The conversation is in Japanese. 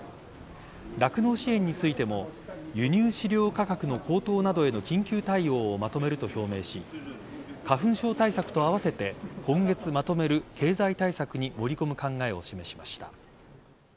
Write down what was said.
酪農支援についても輸入飼料価格の高騰などへの緊急対応をまとめると表明し花粉症対策と併せて今月まとめる経済対策に盛り込む考えを示しました。